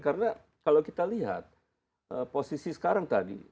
karena kalau kita lihat posisi sekarang tadi